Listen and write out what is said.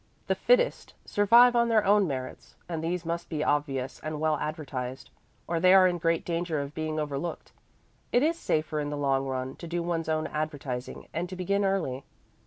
The fittest survive on their own merits, and these must be obvious and well advertised, or they are in great danger of being overlooked. And it is safer in the long run to do one's own advertising and to begin early.